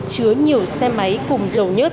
chứa nhiều xe máy cùng dầu nhớt